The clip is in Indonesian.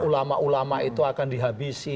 ulama ulama itu akan dihabisi